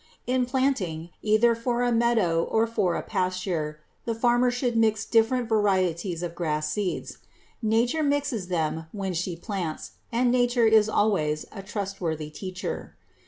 In planting either for a meadow or for a pasture, the farmer should mix different varieties of grass seeds. Nature mixes them when she plants, and Nature is always a trustworthy teacher.